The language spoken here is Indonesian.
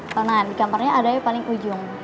tonan di kamarnya ada yang paling ujung